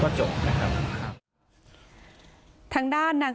สวัสดีครับทุกคน